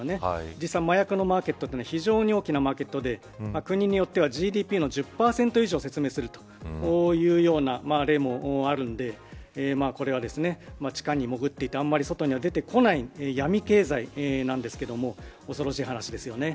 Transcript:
実際に麻薬のマーケットは非常に大きなマーケットで国によってはＧＤＰの１０％以上を占めているという例もあるのでこれは地下に潜っていてあんまり外には出てこない闇経済なんですけれども恐ろしい話ですよね。